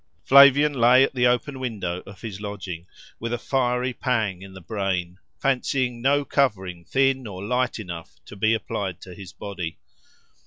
Flavian lay at the open window of his lodging, with a fiery pang in the brain, fancying no covering thin or light enough to be applied to his body.